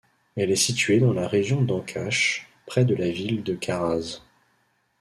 Elle est située dans la région d'Ancash près de la ville de Caraz.